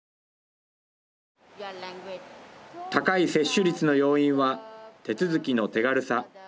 高い接種率の要因は手続きの手軽さ。